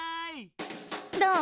どう？